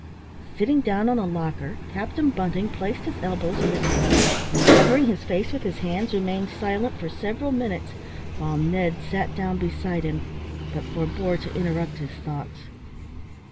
Sitting down on a locker, Captain Bunting placed his elbows on the table, and covering his face with his hands, remained silent for several minutes, while Ned sat down beside him, but forbore to interrupt his thoughts.